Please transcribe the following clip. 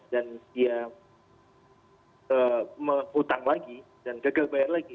dan dia menghutang lagi dan gagal bayar lagi